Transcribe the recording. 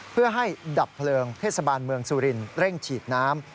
เพื่อให้ดับเพลิงเทศบาลเมืองสุรินเร่งฉีดน้ำ